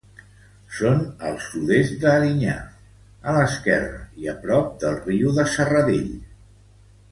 Són al sud-est d'Erinyà, a l'esquerra i a prop del riu de Serradell.